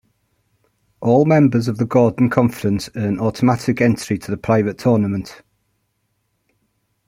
All members of the Gordon Conference earn automatic entry to the Private Tournament.